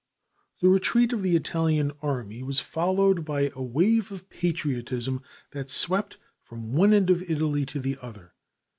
Newman] The retreat of the Italian army was followed by a wave of patriotism that swept from one end of Italy to the other.